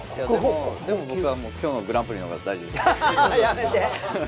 でも僕は今日のグランプリのほうが大事です。